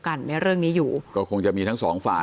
และการแสดงสมบัติของแคนดิเดตนายกนะครับ